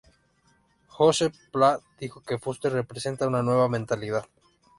Josep Pla dijo de Fuster: "Representa una nueva mentalidad.